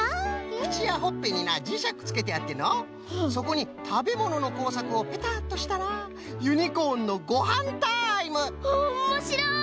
くちやほっぺになじしゃくつけてあってのうそこにたべもののこうさくをペタッとしたらユニコーンのごはんタイム！わおもしろい！